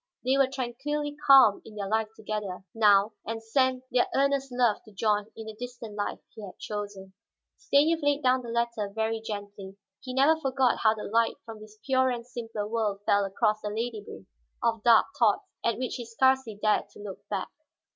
They were tranquilly calm in their life together, now, and sent their earnest love to John in the distant life he had chosen. Stanief laid down the letter very gently. He never forgot how the light from this purer and simpler world fell across the labyrinth of dark thoughts at which he scarcely dared look back.